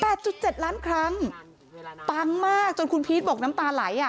จุดเจ็ดล้านครั้งปังมากจนคุณพีชบอกน้ำตาไหลอ่ะ